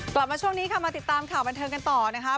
กลับมาช่วงนี้ค่ะมาติดตามข่าวบันเทิงกันต่อนะคะ